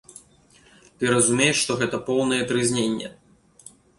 Ты разумееш, што гэта поўнае трызненне.